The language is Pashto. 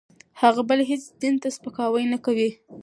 هغه بل هېڅ دین ته سپکاوی نه کوي.